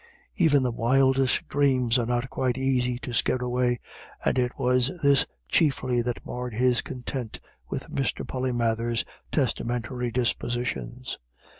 Even the wildest of dreams are not quite easy to scare away, and it was this chiefly that marred his content with Mr. Polymathers's testamentary dispositions.